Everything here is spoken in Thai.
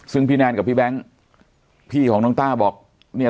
ซึ่งพี่แนนกับพี่แบงค์พี่ของน้องต้าบอกเนี่ย